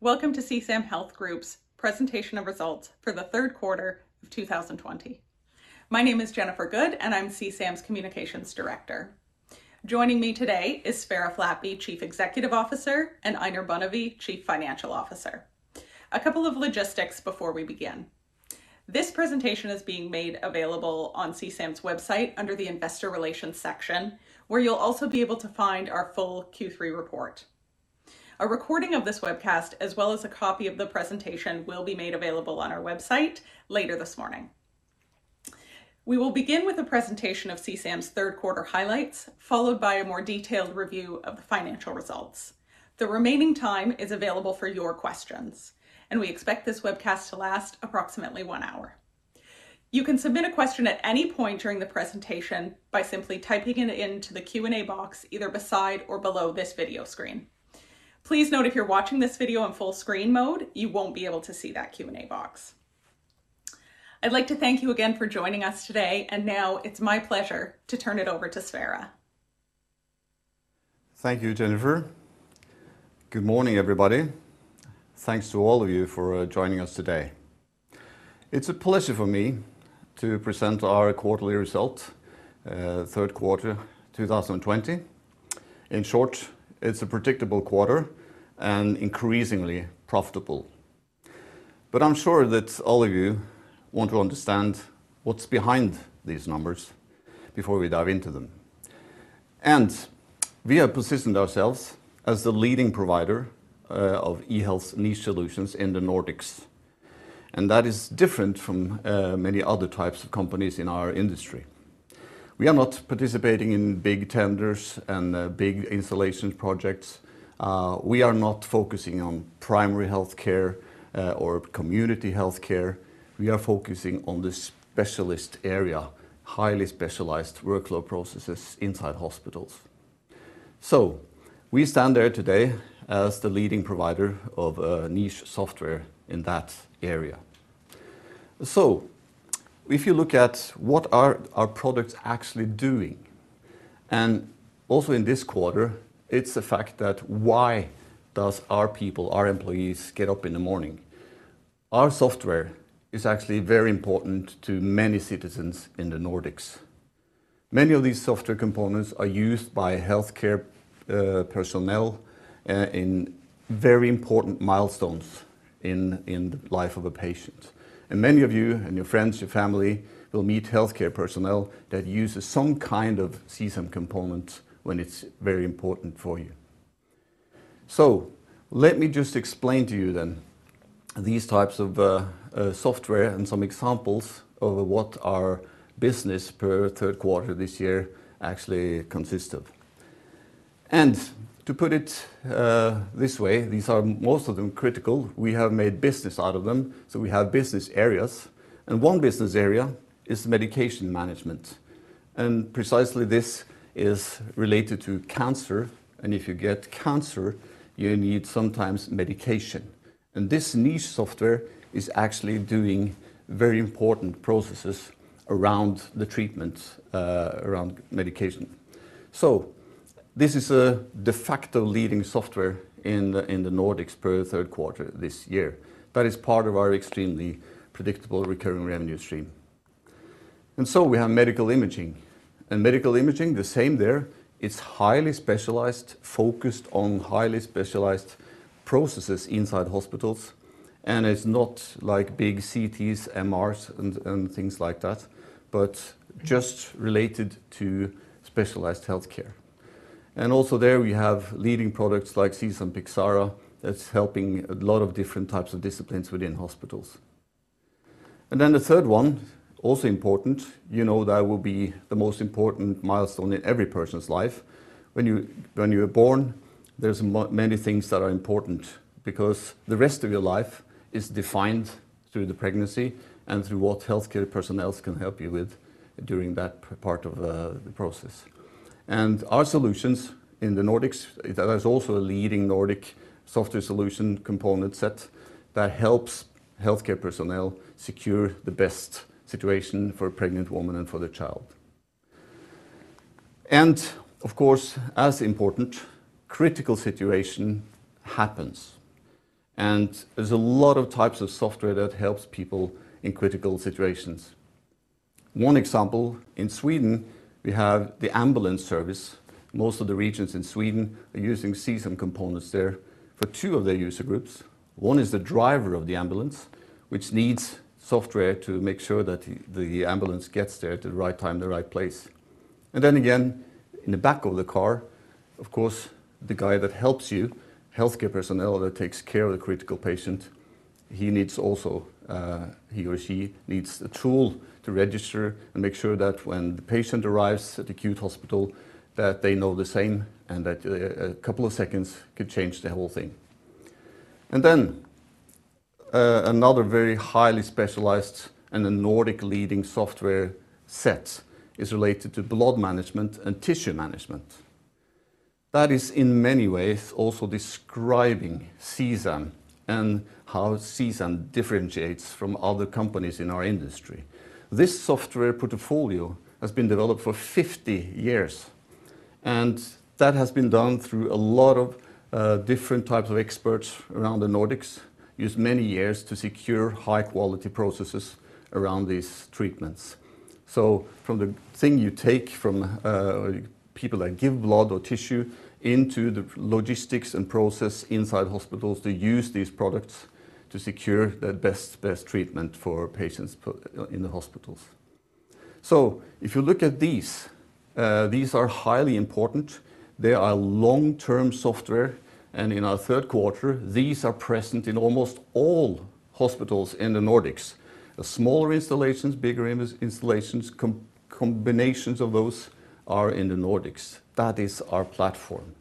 Welcome to CSAM Health Group's presentation of results for the third quarter of 2020. My name is Jennifer Goode, and I'm CSAM's Communications Director. Joining me today is Sverre Flatby, Chief Executive Officer, and Einar Bonnevie, Chief Financial Officer. A couple of logistics before we begin. This presentation is being made available on CSAM's website under the investor relations section, where you'll also be able to find our full Q3 report. A recording of this webcast, as well as a copy of the presentation, will be made available on our website later this morning. We will begin with a presentation of CSAM's third quarter highlights, followed by a more detailed review of the financial results. The remaining time is available for your questions, and we expect this webcast to last approximately one hour. You can submit a question at any point during the presentation by simply typing it into the Q&A box, either beside or below this video screen. Please note, if you're watching this video in full screen mode, you won't be able to see that Q&A box. I'd like to thank you again for joining us today. Now it's my pleasure to turn it over to Sverre. Thank you, Jennifer. Good morning, everybody. Thanks to all of you for joining us today. It's a pleasure for me to present our quarterly result, third quarter 2020. In short, it's a predictable quarter and increasingly profitable. I'm sure that all of you want to understand what's behind these numbers before we dive into them. We have positioned ourselves as the leading provider of eHealth niche solutions in the Nordics, and that is different from many other types of companies in our industry. We are not participating in big tenders and big installation projects. We are not focusing on primary healthcare or community healthcare. We are focusing on the specialist area, highly specialized workload processes inside hospitals. We stand there today as the leading provider of niche software in that area. If you look at what are our products actually doing, and also in this quarter, it's a fact that why does our people, our employees, get up in the morning? Our software is actually very important to many citizens in the Nordics. Many of these software components are used by healthcare personnel in very important milestones in the life of a patient. Many of you and your friends, your family, will meet healthcare personnel that uses some kind of CSAM component when it's very important for you. Let me just explain to you then these types of software and some examples of what our business per third quarter this year actually consists of. To put it this way, these are most of them critical. We have made business out of them, so we have business areas. One business area is medication management, and precisely this is related to cancer, and if you get cancer, you need sometimes medication. This niche software is actually doing very important processes around the treatment, around medication. This is a de facto leading software in the Nordics per third quarter this year. That is part of our extremely predictable recurring revenue stream. We have medical imaging. Medical imaging, the same there. It's highly specialized, focused on highly specialized processes inside hospitals, and it's not like big CTs, MRs, and things like that, but just related to specialized healthcare. Also there we have leading products like CSAM Picsara, that's helping a lot of different types of disciplines within hospitals. The third one, also important, you know that will be the most important milestone in every person's life. When you are born, there's many things that are important because the rest of your life is defined through the pregnancy and through what healthcare personnels can help you with during that part of the process. Our solutions in the Nordics, that is also a leading Nordic software solution component set that helps healthcare personnel secure the best situation for a pregnant woman and for the child. Of course, as important, critical situation happens. There's a lot of types of software that helps people in critical situations. One example, in Sweden, we have the ambulance service. Most of the regions in Sweden are using CSAM components there for two of their user groups. One is the driver of the ambulance, which needs software to make sure that the ambulance gets there at the right time, the right place. Then again, in the back of the car, of course, the guy that helps you, healthcare personnel that takes care of the critical patient, he or she needs a tool to register and make sure that when the patient arrives at acute hospital, that they know the same and that a couple of seconds could change the whole thing. Then, another very highly specialized and a Nordic leading software set is related to blood management and tissue management. That is, in many ways, also describing CSAM and how CSAM differentiates from other companies in our industry. This software portfolio has been developed for 50 years. That has been done through a lot of different types of experts around the Nordics, used many years to secure high-quality processes around these treatments. From the thing you take from people that give blood or tissue into the logistics and process inside hospitals to use these products to secure the best treatment for patients in the hospitals. If you look at these are highly important. They are long-term software, and in our third quarter, these are present in almost all hospitals in the Nordics. The smaller installations, bigger installations, combinations of those are in the Nordics. That is our platform.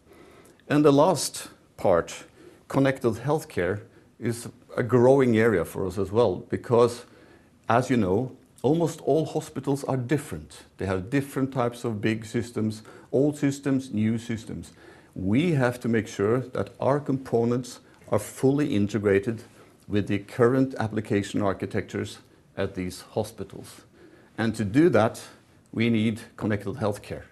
The last part, connected healthcare, is a growing area for us as well, because as you know, almost all hospitals are different. They have different types of big systems, old systems, new systems. We have to make sure that our components are fully integrated with the current application architectures at these hospitals. To do that, we need connected healthcare.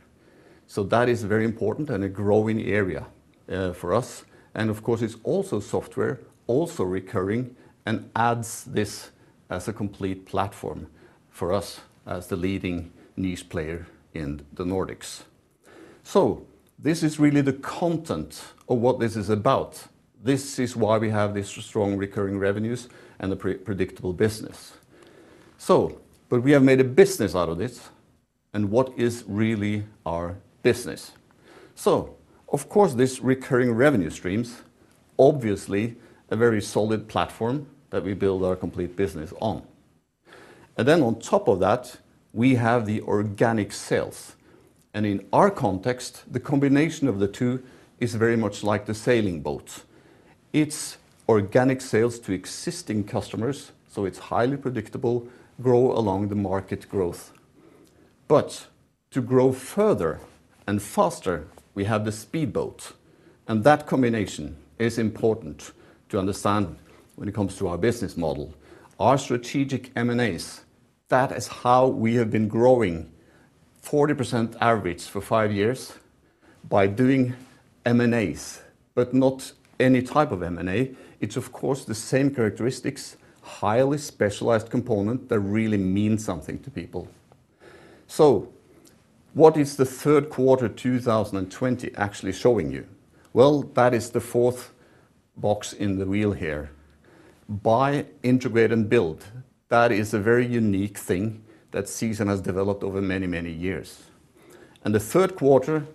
That is very important and a growing area for us. Of course, it's also software, also recurring, and adds this as a complete platform for us as the leading niche player in the Nordics. This is really the content of what this is about. This is why we have these strong recurring revenues and the predictable business. We have made a business out of this, and what is really our business? Of course, these recurring revenue streams, obviously a very solid platform that we build our complete business on. Then on top of that, we have the organic sales. In our context, the combination of the two is very much like the sailing boat. It's organic sales to existing customers, so it's highly predictable, grow along the market growth. To grow further and faster, we have the speedboat. That combination is important to understand when it comes to our business model. Our strategic M&As, that is how we have been growing 40% average for five years by doing M&As, but not any type of M&A. It's of course the same characteristics, highly specialized component that really means something to people. What is the third quarter 2020 actually showing you? That is the fourth box in the wheel here. Buy, integrate, and build. That is a very unique thing that CSAM has developed over many, many years. The third quarter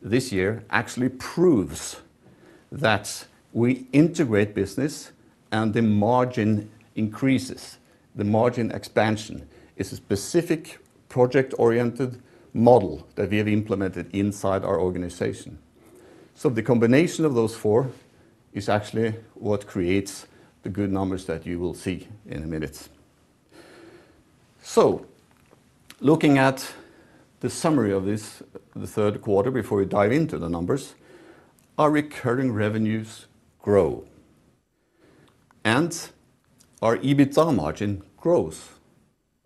this year actually proves that we integrate business and the margin increases. The margin expansion is a specific project-oriented model that we have implemented inside our organization. The combination of those four is actually what creates the good numbers that you will see in a minute. Looking at the summary of this, the third quarter, before we dive into the numbers, our recurring revenues grow and our EBITDA margin grows.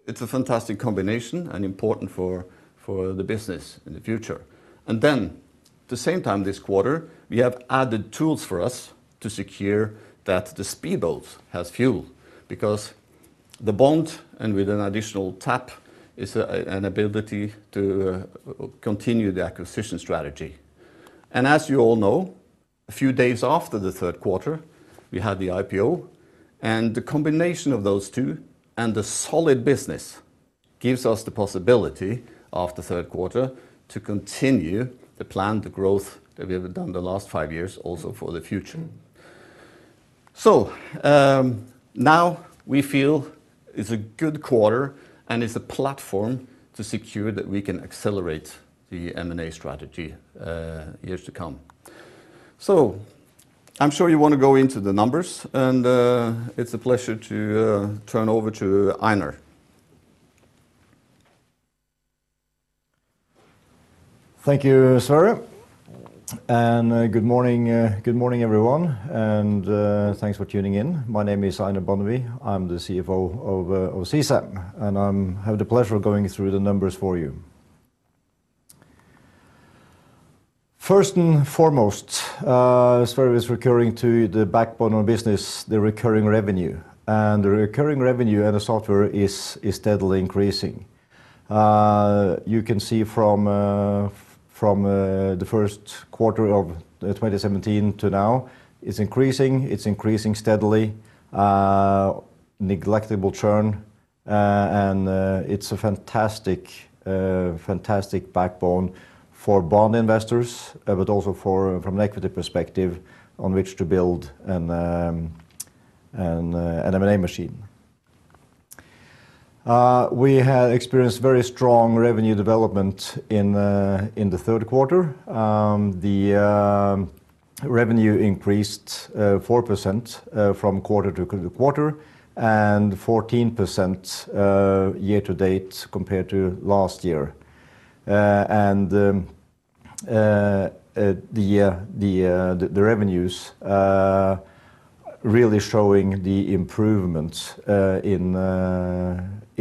It's a fantastic combination and important for the business in the future. At the same time this quarter, we have added tools for us to secure that the speedboat has fuel because the bond, and with an additional tap, is an ability to continue the acquisition strategy. As you all know, a few days after the third quarter, we had the IPO and the combination of those two and the solid business gives us the possibility after third quarter to continue the planned growth that we have done the last five years also for the future. Now we feel it's a good quarter and it's a platform to secure that we can accelerate the M&A strategy years to come. I'm sure you want to go into the numbers and it's a pleasure to turn over to Einar. Thank you, Sverre. Good morning, everyone, and thanks for tuning in. My name is Einar Bonnevie. I'm the CFO of CSAM, and I have the pleasure of going through the numbers for you. First and foremost, Sverre was referring to the backbone of business, the recurring revenue. The recurring revenue in the software is steadily increasing. You can see from the first quarter of 2017 to now, it's increasing steadily, neglectable churn, and it's a fantastic backbone for bond investors, but also from an equity perspective on which to build an M&A machine. We have experienced very strong revenue development in the third quarter. The revenue increased 4% from quarter-over-quarter and 14% year-to-date compared to last year. Really showing the improvement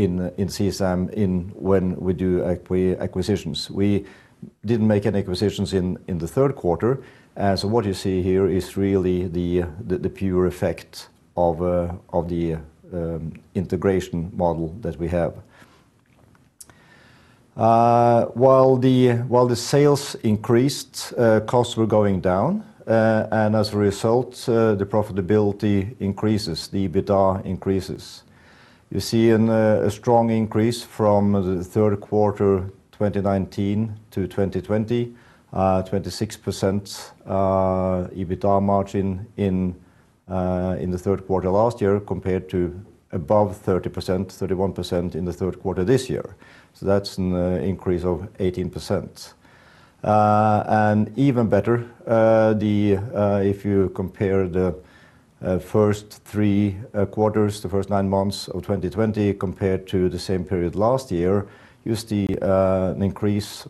in CSAM when we do acquisitions. We didn't make any acquisitions in the third quarter, so what you see here is really the pure effect of the integration model that we have. While the sales increased, costs were going down, and as a result, the profitability increases, the EBITDA increases. You see a strong increase from the third quarter 2019-2020, 26% EBITDA margin in the third quarter last year compared to above 30%, 31% in the third quarter this year. That's an increase of 18%. Even better, if you compare the first three quarters, the first nine months of 2020 compared to the same period last year, you see an increase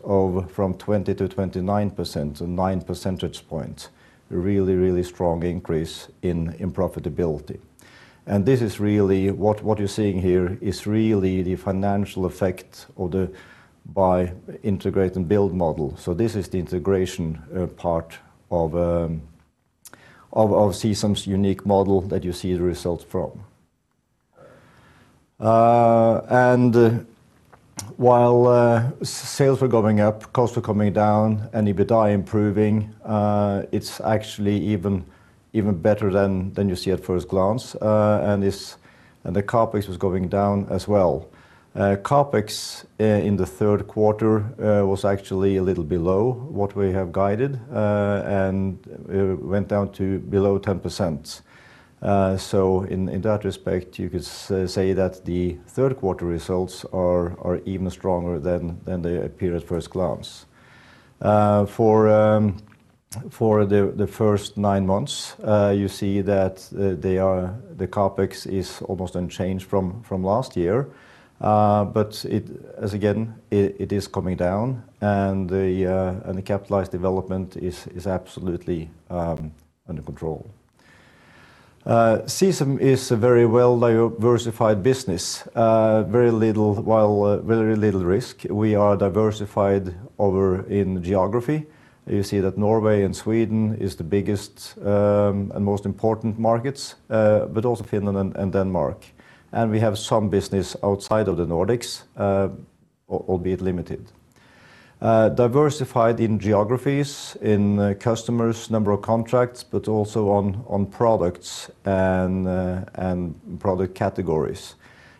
from 20%-29%, so nine percentage points. A really strong increase in profitability. What you're seeing here is really the financial effect of the buy integrate and build model. This is the integration part of CSAM's unique model that you see the results from. While sales were going up, costs were coming down and EBITDA improving, it's actually even better than you see at first glance. The CapEx was going down as well. CapEx in the third quarter was actually a little below what we have guided, and went down to below 10%. In that respect, you could say that the third-quarter results are even stronger than they appear at first glance. For the first nine months, you see that the CapEx is almost unchanged from last year. As again, it is coming down and the capitalized development is absolutely under control. CSAM is a very well-diversified business. Very little risk. We are diversified over in geography. You see that Norway and Sweden is the biggest and most important markets, but also Finland and Denmark. We have some business outside of the Nordics, albeit limited. Diversified in geographies, in customers, number of contracts, but also on products and product categories.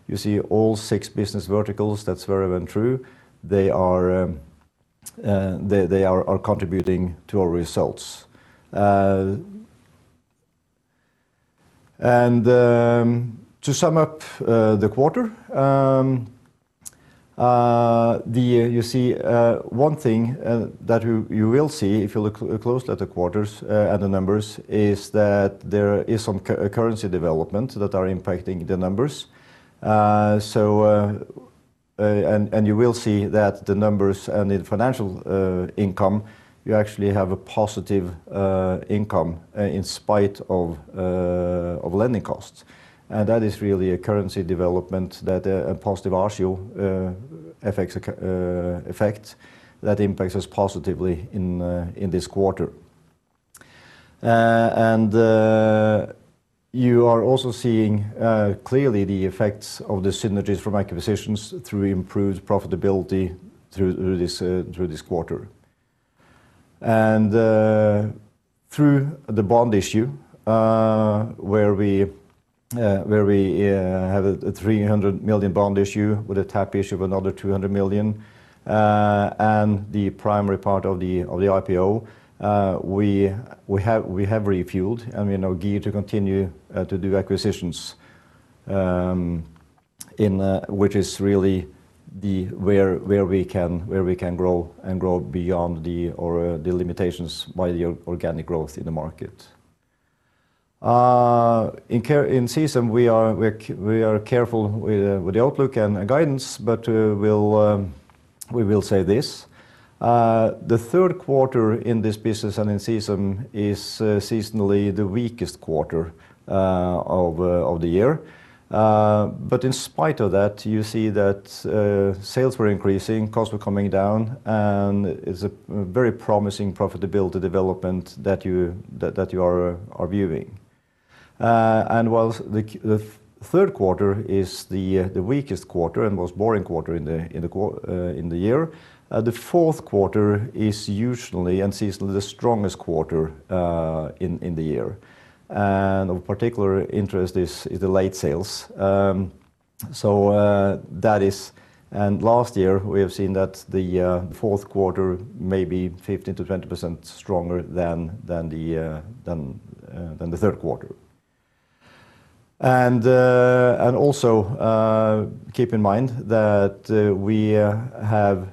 You see all six business verticals, that's very well true. They are contributing to our results. To sum up the quarter, one thing that you will see if you look closely at the quarters, at the numbers, is that there is some currency development that are impacting the numbers. You will see that the numbers and the financial income, you actually have a positive income in spite of lending costs. That is really a currency development that a positive agio effect that impacts us positively in this quarter. You are also seeing clearly the effects of the synergies from acquisitions through improved profitability through this quarter. Through the bond issue, where we have a 300 million bond issue with a tap issue of another 200 million. The primary part of the IPO, we have refueled and we are now geared to continue to do acquisitions, which is really where we can grow and grow beyond the limitations by the organic growth in the market. In CSAM, we are careful with the outlook and guidance, but we will say this. The third quarter in this business and in CSAM is seasonally the weakest quarter of the year. In spite of that, you see that sales were increasing, costs were coming down, and it's a very promising profitability development that you are viewing. While the third quarter is the weakest quarter and most boring quarter in the year, the fourth quarter is usually and seasonally the strongest quarter in the year. Of particular interest is the late sales. Last year, we have seen that the fourth quarter may be 15%-20% stronger than the third quarter. Also keep in mind that we have,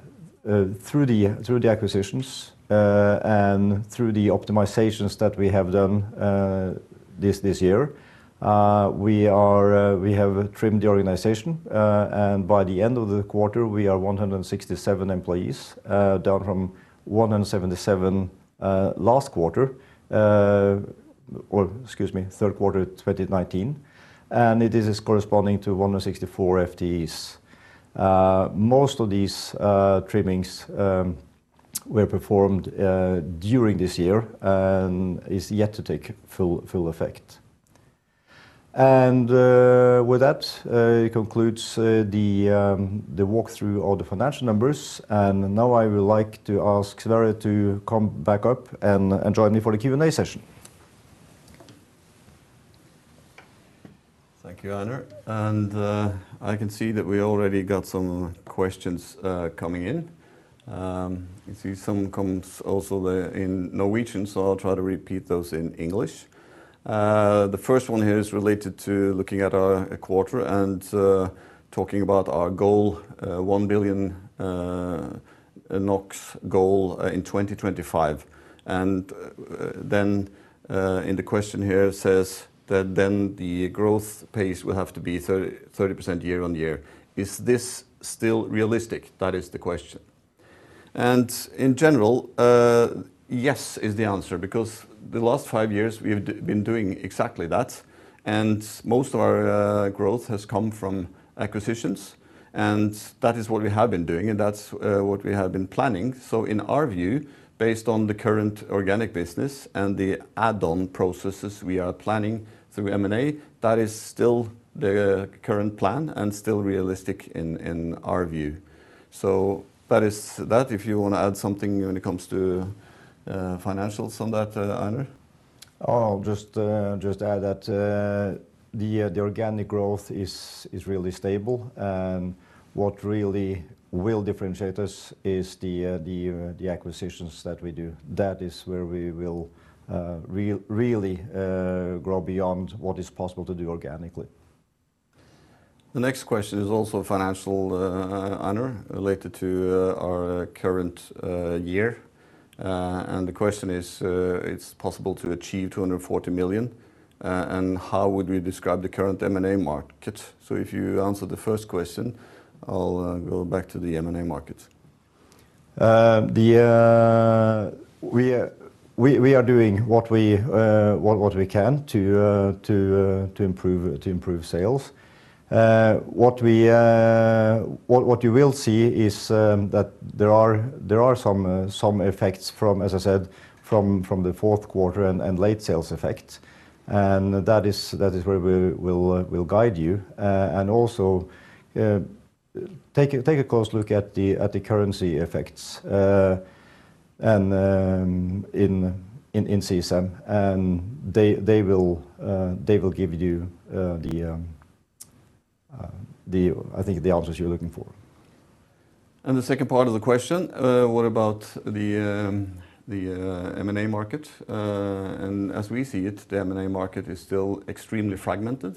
through the acquisitions and through the optimizations that we have done this year. We have trimmed the organization, and by the end of the quarter, we are 167 employees, down from 177 last quarter, or excuse me, third quarter 2019, and it is corresponding to 164 FTEs. Most of these trimmings were performed during this year and is yet to take full effect. With that, it concludes the walkthrough of the financial numbers, and now I would like to ask Sverre to come back up and join me for the Q&A session. Thank you, Einar. I can see that we already got some questions coming in. I see some comes also there in Norwegian. I'll try to repeat those in English. The first one here is related to looking at our quarter and talking about our goal, 1 billion NOK goal in 2025. In the question here says that then the growth pace will have to be 30% year-on-year. Is this still realistic? That is the question. In general, yes is the answer, because the last five years we have been doing exactly that, and most of our growth has come from acquisitions, and that is what we have been doing, and that's what we have been planning. In our view, based on the current organic business and the add-on processes we are planning through M&A, that is still the current plan and still realistic in our view. That is that. If you want to add something when it comes to financials on that, Einar. I'll just add that the organic growth is really stable. What really will differentiate us is the acquisitions that we do. That is where we will really grow beyond what is possible to do organically. The next question is also financial, Einar, related to our current year. The question is, it's possible to achieve 240 million, and how would we describe the current M&A market? If you answer the first question, I'll go back to the M&A market. We are doing what we can to improve sales. What you will see is that there are some effects, as I said, from the fourth quarter and late sales effect. That is where we'll guide you. Also, take a close look at the currency effects in CSAM, and they will give you, I think, the answers you're looking for. The second part of the question, what about the M&A market? As we see it, the M&A market is still extremely fragmented.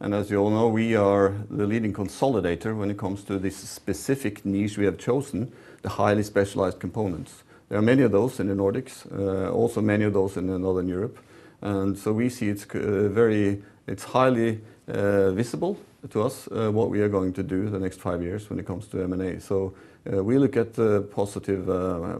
As you all know, we are the leading consolidator when it comes to this specific niche we have chosen, the highly specialized components. There are many of those in the Nordics, also many of those in the Northern Europe. We see it's highly visible to us what we are going to do the next five years when it comes to M&A. We look at the positive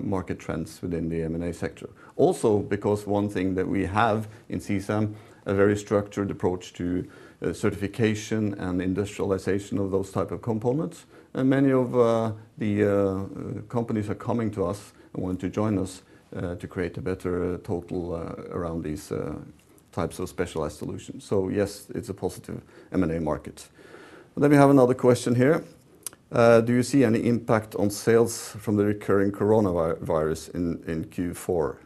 market trends within the M&A sector. Also, because one thing that we have in CSAM, a very structured approach to certification and industrialization of those type of components. Many of the companies are coming to us and want to join us to create a better total around these types of specialized solutions. Yes, it's a positive M&A market. We have another question here. Do you see any impact on sales from the recurring coronavirus in Q4?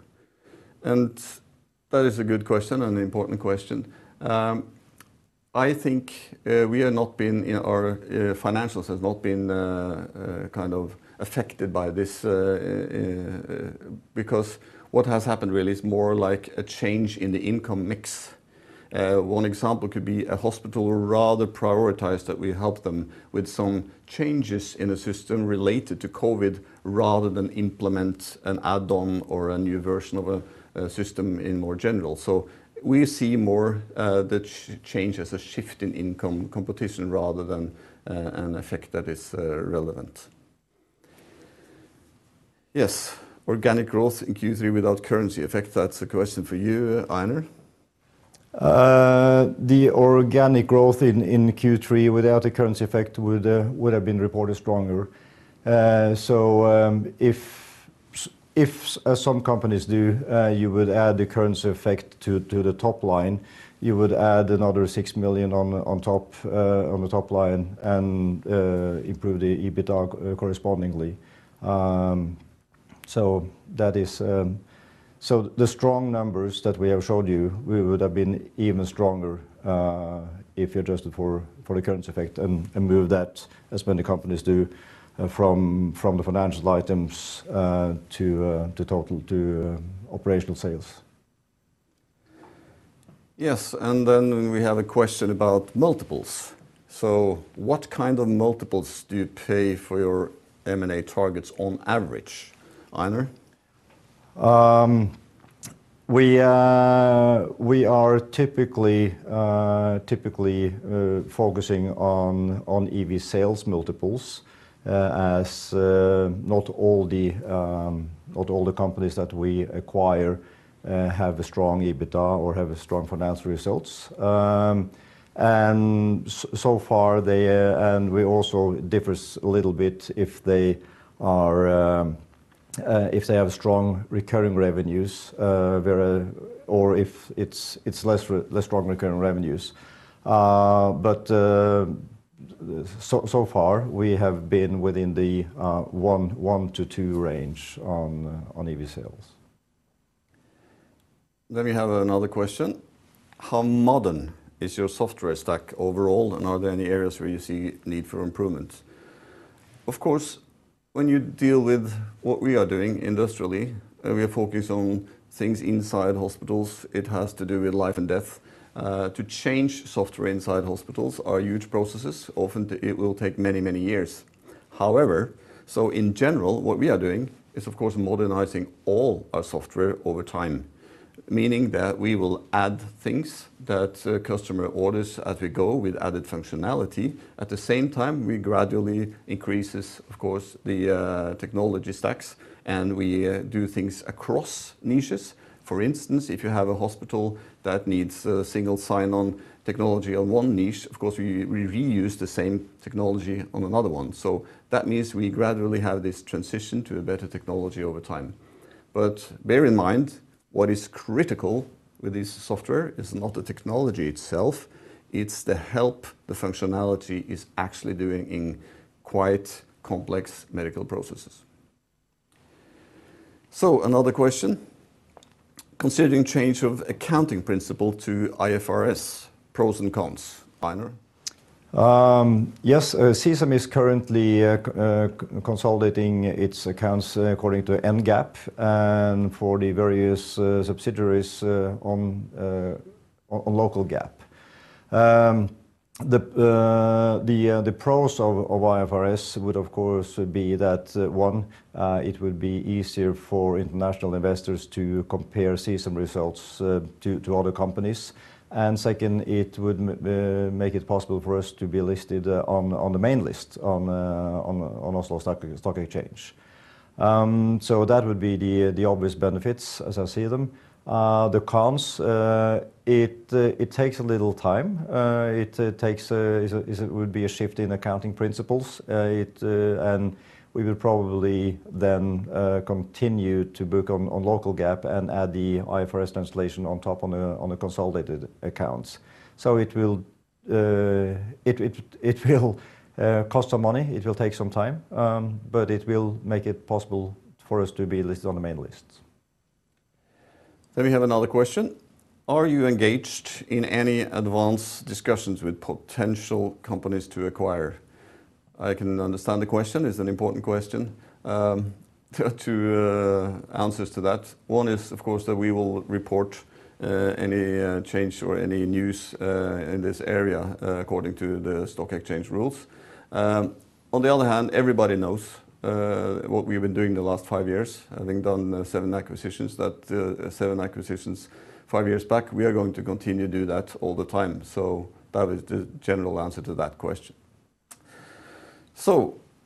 That is a good question and an important question. I think our financials has not been affected by this, because what has happened really is more like a change in the income mix. One example could be a hospital rather prioritize that we help them with some changes in a system related to COVID rather than implement an add-on or a new version of a system in more general. We see more the change as a shift in income competition rather than an effect that is relevant. Yes, organic growth in Q3 without currency effect. That's a question for you, Einar. The organic growth in Q3 without a currency effect would have been reported stronger. If, as some companies do, you would add the currency effect to the top line, you would add another 6 million on the top line and improve the EBITDA correspondingly. The strong numbers that we have showed you, would have been even stronger if adjusted for the currency effect and move that, as many companies do, from the financial items to operational sales. Yes, we have a question about multiples. What kind of multiples do you pay for your M&A targets on average? Einar? We are typically focusing on EV/Sales multiples, as not all the companies that we acquire have a strong EBITDA or have strong financial results. We also differ a little bit if they have strong recurring revenues, or if it's less strong recurring revenues. So far, we have been within the one to two range on EV/Sales. We have another question. How modern is your software stack overall, and are there any areas where you see need for improvements? Of course, when you deal with what we are doing industrially, we are focused on things inside hospitals, it has to do with life and death. To change software inside hospitals are huge processes. Often, it will take many years. In general, what we are doing is of course modernizing all our software over time, meaning that we will add things that customer orders as we go with added functionality. At the same time, we gradually increase, of course, the technology stacks, and we do things across niches. For instance, if you have a hospital that needs a single sign-on technology on one niche, of course, we reuse the same technology on another one. That means we gradually have this transition to a better technology over time. Bear in mind, what is critical with this software is not the technology itself, it's the help the functionality is actually doing in quite complex medical processes. Another question, considering change of accounting principle to IFRS, pros and cons. Einar? Yes, CSAM is currently consolidating its accounts according to NGAAP and for the various subsidiaries on local GAAP. The pros of IFRS would, of course, be that, one, it would be easier for international investors to compare CSAM results to other companies. Second, it would make it possible for us to be listed on the main list on Oslo Stock Exchange. That would be the obvious benefits as I see them. The cons, it takes a little time. It would be a shift in accounting principles. We will probably then continue to book on local GAAP and add the IFRS translation on top on the consolidated accounts. It will cost some money, it will take some time, but it will make it possible for us to be listed on the main list. We have another question. Are you engaged in any advanced discussions with potential companies to acquire? I can understand the question. It's an important question. Two answers to that. One is, of course, that we will report any change or any news in this area according to the stock exchange rules. On the other hand, everybody knows what we've been doing the last five years, having done the seven acquisitions five years back. We are going to continue to do that all the time. That is the general answer to that question.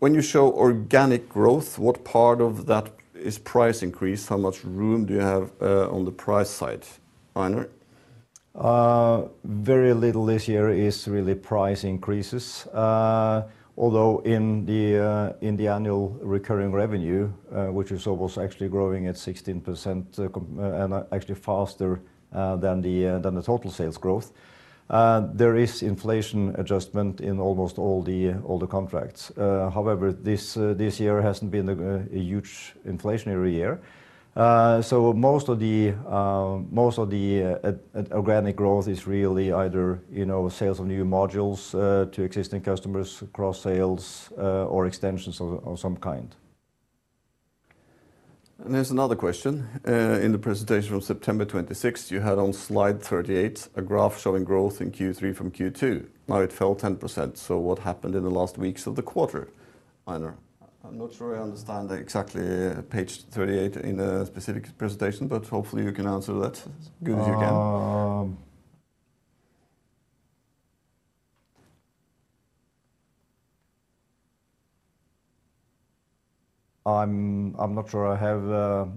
When you show organic growth, what part of that is price increase? How much room do you have on the price side, Einar? Very little this year is really price increases. Although in the annual recurring revenue, which is almost actually growing at 16% and actually faster than the total sales growth, there is inflation adjustment in almost all the contracts. However, this year hasn't been a huge inflationary year. Most of the organic growth is really either sales of new modules to existing customers, cross-sales, or extensions of some kind. There's another question. In the presentation from September 26th, you had on slide 38 a graph showing growth in Q3 from Q2. Now it fell 10%, so what happened in the last weeks of the quarter? Einar? I'm not sure I understand exactly Page 38 in a specific presentation, but hopefully you can answer that as good as you can. I'm not sure I have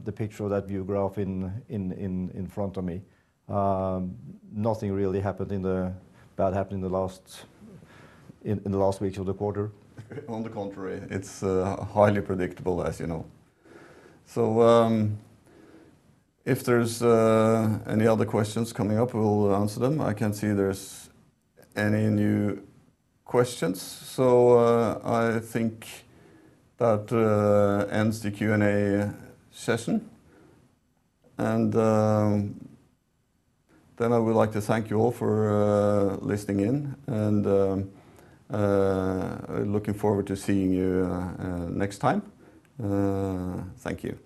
the picture of that view graph in front of me. Nothing really bad happened in the last weeks of the quarter. On the contrary, it's highly predictable, as you know. If there's any other questions coming up, we'll answer them. I can't see there's any new questions, so I think that ends the Q&A session. I would like to thank you all for listening in, and I'm looking forward to seeing you next time. Thank you.